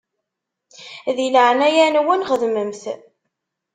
Di leɛnaya-nwen xedmem-t.